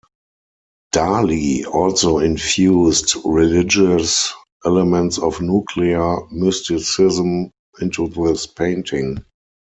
Dali also infused religious elements of Nuclear Mysticism into this painting.